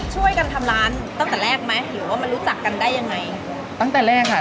ช่วยกันทำร้านตั้งแต่แรกไหมหรือว่ามันรู้จักกันได้ยังไงตั้งแต่แรกอ่ะ